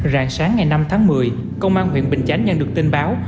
rạng sáng ngày năm tháng một mươi công an huyện bình chánh nhận được tin báo